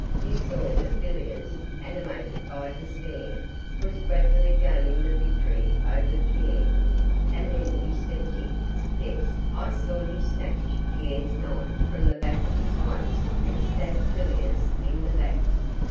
You saw that Villiers, animated by despair, was gradually gaining the victory over Pierre, and then you stepped in yes; I saw you snatch Pierre's knife from the back of his waist and stab Villiers in the back.